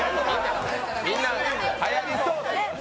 みんな、はやりそうって。